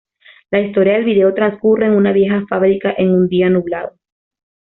La historia del video transcurre en una vieja fábrica en un día nublado.